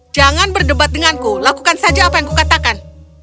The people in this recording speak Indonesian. jangan berdebat denganku lakukan saja apa yang kukatakan